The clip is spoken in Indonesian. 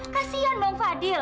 kasian dong fadil